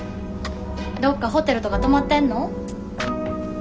どっかホテルとか泊まってんの？